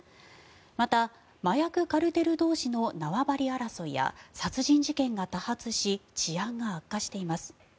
また麻薬カルテル同士の縄張り争いや殺人事件が多発し治安が悪化しています。